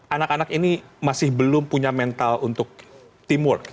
anak anak ini masih belum punya mental untuk teamwork